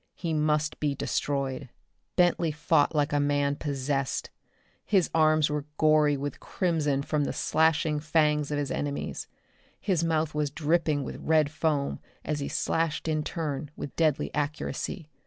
He must be destroyed. Bentley fought like a man possessed. His arms were gory with crimson from the slashing fangs of his enemies. His mouth was dripping with red foam as he slashed in turn, with deadly accuracy.